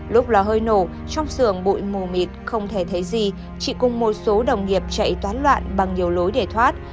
lúc lò hơi nổ trong xưởng bụi mù mịt không thể thấy gì chị cùng một số đồng nghiệp chạy toán loạn bằng nhiều lối để thoát